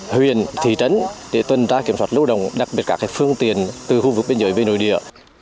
huyền thị trấn để tuân ra kiểm soát lưu đồng đặc biệt các phương tiền từ khu vực biên giới về nội địa